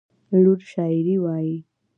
لور شاعري وايي.